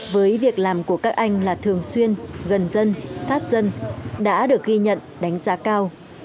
với việc làm của các anh là thường xuyên gần dân sát dân đã được ghi nhận đánh giá cao